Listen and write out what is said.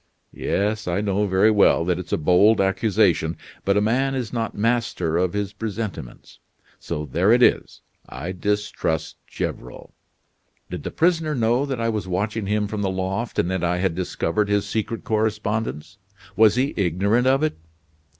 "Yes, I know very well that it's a bold accusation, but a man is not master of his presentiments: so there it is, I distrust Gevrol. Did the prisoner know that I was watching him from the loft, and that I had discovered his secret correspondence, was he ignorant of it?